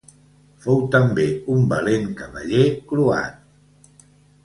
Fou també un valent cavaller croat.